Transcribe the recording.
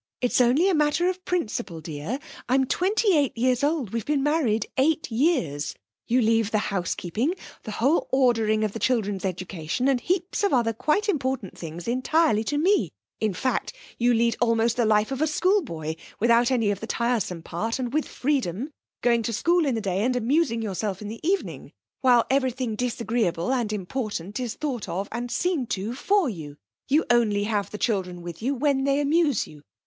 'It's only a matter of principle, dear, I'm twenty eight years old, we've been married eight years; you leave the housekeeping, the whole ordering of the children's education, and heaps of other quite important things, entirely to me; in fact, you lead almost the life of a schoolboy, without any of the tiresome part, and with freedom, going to school in the day and amusing yourself in the evening, while everything disagreeable and important is thought of and seen to for you. You only have the children with you when they amuse you.